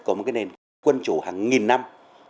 của một cái nền quân chủ hàng nghìn năm